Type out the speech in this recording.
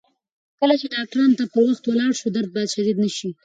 کله چې ډاکتر ته پر وخت ولاړ شو، درد به شدید نه شي.